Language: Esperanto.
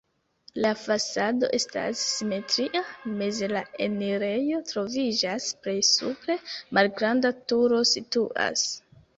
La fasado estas simetria, meze la enirejo troviĝas, plej supre malgranda turo situas.